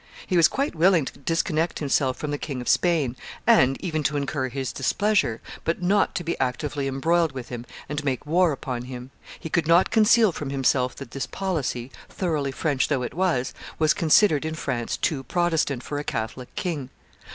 He was quite willing to disconnect himself from the King of Spain, and even to incur his displeasure, but not to be actively embroiled with him and make war upon him; he could not conceal from himself that this policy, thoroughly French though it was, was considered in France too Protestant for a Catholic king.